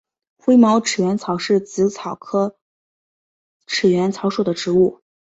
灰毛齿缘草是紫草科齿缘草属的植物。